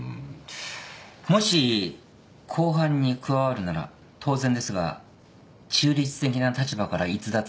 もし公判に加わるなら当然ですが中立的な立場から逸脱してはいけませんよ。